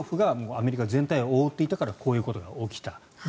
アメリカ全体を覆っていたからこういうことが起きた。